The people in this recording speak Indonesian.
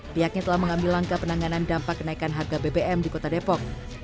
pihaknya telah mengambil langkah penanganan dampak kenaikan harga bbm di kota depok